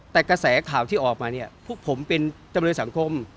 แต่กระแสข่าวที่ออกมาเนี่ยพวกผมเป็นจำเลยสังคม